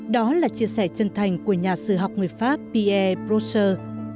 đó là chia sẻ chân thành của nhà sử học người pháp pierre brosser